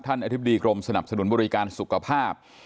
อธิบดีกรมสนับสนุนบริการสุขภาพ